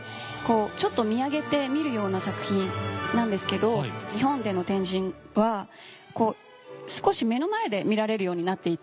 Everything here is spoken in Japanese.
ちょっと見上げて見るような作品なんですけど日本での展示は少し目の前で見られるようになっていて。